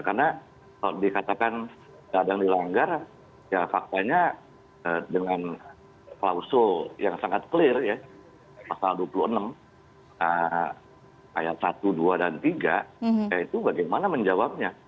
karena kalau dikatakan kadang dilanggar ya faktanya dengan klausul yang sangat clear ya pasal dua puluh enam ayat satu dua dan tiga ya itu bagaimana menjawabnya